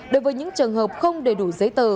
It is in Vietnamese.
đối với những trường hợp không đầy đủ giấy tờ